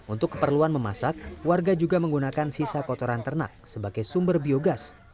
untuk keperluan memasak warga juga menggunakan sisa kotoran ternak sebagai sumber biogas